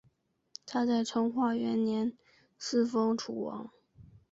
他在成化元年嗣封楚王。